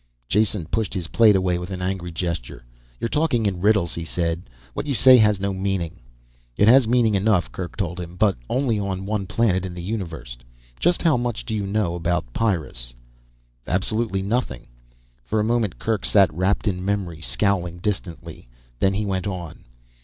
Jason pushed his plate away with an angry gesture. "You're talking in riddles," he said. "What you say has no meaning." "It has meaning enough," Kerk told him, "but only on one planet in the universe. Just how much do you know about Pyrrus?" "Absolutely nothing." For a moment Kerk sat wrapped in memory, scowling distantly. Then he went on.